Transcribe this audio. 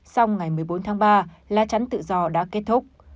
sau ngày một mươi bốn tháng ba lá chắn tự do đã kết thúc